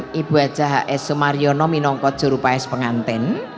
panggih badai timun perhatikan telinga ibu aja esomaryono minongkot juru paes penganten